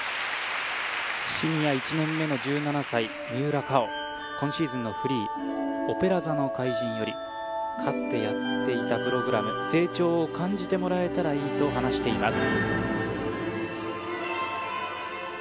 シニア１年目の１７歳三浦佳生今シーズンのフリー「オペラ座の怪人」よりかつてやっていたプログラム成長を感じてもらえたらいいと話しています